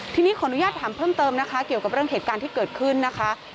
ทีนี้ขออนุญาตถามเพิ่มเติมนะคะเกี่ยวกับเรื่องเหตุการณ์ที่เกิดขึ้นนะคะ